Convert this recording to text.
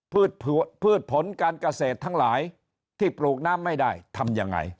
พืชผลการเกษตรทั้งหลายที่ปลูกน้ำไม่ได้ทำยังไง